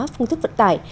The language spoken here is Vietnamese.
phương thức vận tải